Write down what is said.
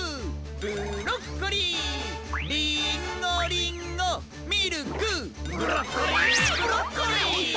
ブロッコリーリーンゴリンゴミルクブロッコリーブロッコリーうわっ。